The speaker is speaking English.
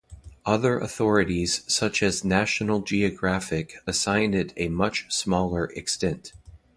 Other authorities such as National Geographic assign it a much smaller extent.